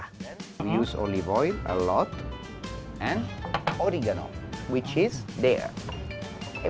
kita gunakan banyak minyak bawang putih dan oregano yang ada di sana